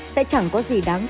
sẽ chẳng có gì để làm được